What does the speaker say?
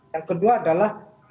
yang kedua adalah